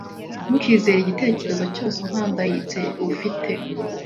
Ntukizere igitekerezo cyose uhangayitse ufite.